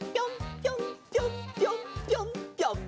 ぴょんぴょんぴょんぴょん。